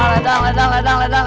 ledang ledang ledang ledang